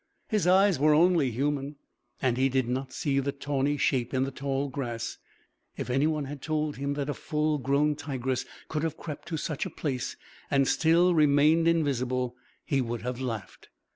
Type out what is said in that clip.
His eyes were only human, and he did not see the tawny shape in the tall grass. If any one had told him that a full grown tigress could have crept to such a place and still remained invisible, he would have laughed.